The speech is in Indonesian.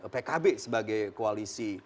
pkb sebagai koalisi